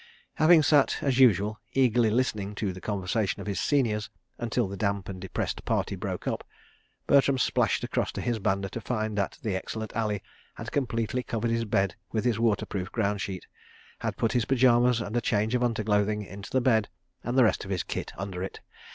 Having sat—as usual—eagerly listening to the conversation of his seniors—until the damp and depressed party broke up, Bertram splashed across to his banda to find that the excellent Ali had completely covered his bed with his water proof ground sheet, had put his pyjamas and a change of underclothing into the bed and the rest of his kit under it.